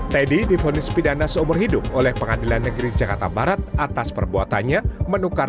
teddy difonis pidana seumur hidup oleh pengadilan negeri jakarta barat atas perbuatannya menukar